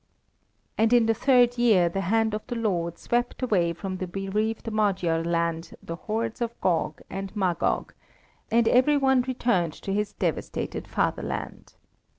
And in the third year the hand of the Lord swept away from the bereaved Magyar land the hordes of Gog and Magog, and every one returned to his devastated fatherland.